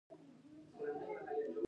هغه خپلې تورې ښځې ته هېڅ نه ويل.